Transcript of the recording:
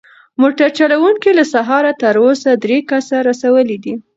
موټر چلونکی له سهاره تر اوسه درې کسه رسولي دي.